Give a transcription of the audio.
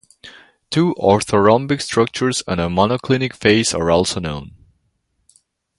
Two orthorhombic structures and a monoclinic phase are also known.